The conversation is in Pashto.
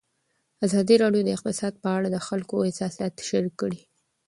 ازادي راډیو د اقتصاد په اړه د خلکو احساسات شریک کړي.